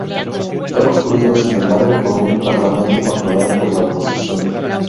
Fue obstruido, sin embargo, por un parlamento controlado por la oposición.